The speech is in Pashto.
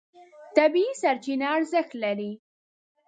طبیعي سرچینه ارزښت لري.